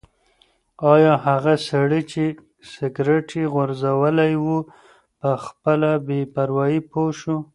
ایا هغه سړی چې سګرټ یې غورځولی و په خپله بې پروايي پوه شو؟